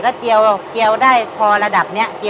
แล้วยังไงต่อ